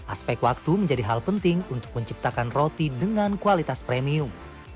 aspek waktu menjadi hal penting untuk menciptakan roti dengan kualitas premium